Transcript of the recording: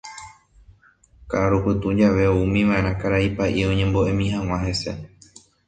Ka'arupytũ jave oúmiva'erã karai pa'i oñembo'emi hag̃ua hese.